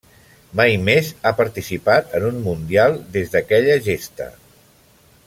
Mai més ha participat en un Mundial des d'aquella gesta.